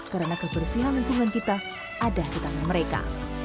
karena kebersihan lingkungan kita ada di tangan mereka